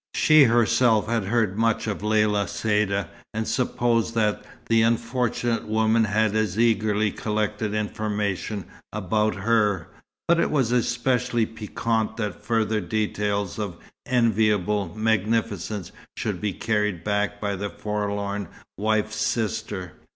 She herself had heard much of Lella Saïda, and supposed that unfortunate woman had as eagerly collected information about her; but it was especially piquant that further details of enviable magnificence should be carried back by the forlorn wife's sister.